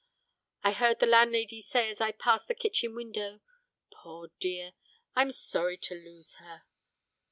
I heard the landlady say as I passed the kitchen window: 'Poor dear! I'm sorry to lose her!'